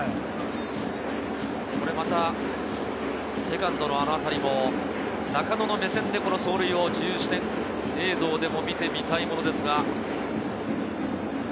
これまたセカンドのあのあたりも中野の目線で走塁を自由視点映像でも見てみたいものですが。